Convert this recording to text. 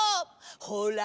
ほら。